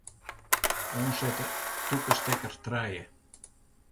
Oansette tûke stekker trije.